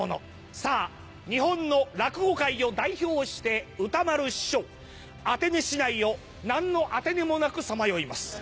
さぁ日本の落語界を代表して歌丸師匠アテネ市内を何のアテネもなくさまよいます。